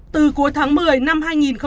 từ cuối tháng một mươi năm hai nghìn hai mươi